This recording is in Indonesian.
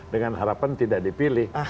dengan harapan tidak dipilih